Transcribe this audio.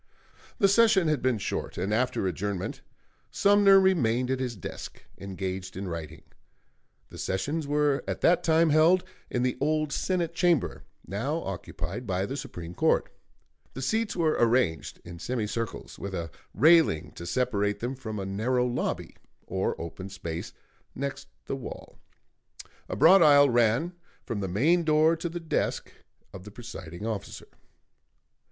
The session had been short, and after adjournment Sumner remained at his desk, engaged in writing. The sessions were at that time held in the old Senate Chamber, now occupied by the Supreme Court. The seats were arranged in semicircles, with a railing to separate them from a narrow lobby or open space next the wall; a broad aisle ran from the main door to the desk of the presiding officer.